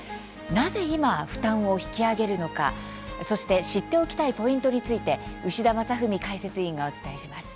なぜ今、負担を引き上げるのかそして、知っておきたいポイントについて牛田正史解説委員がお伝えします。